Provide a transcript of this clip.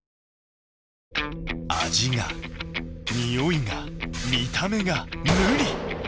味がにおいが見た目が無理！